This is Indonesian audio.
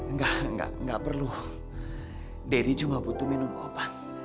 nggak nggak perlu daddy cuma butuh minum obat